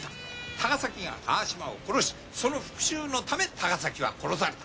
高崎が川島を殺しその復讐のため高崎は殺された。